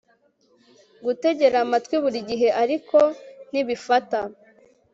Gutegera amatwi burigihe ariko ntibifata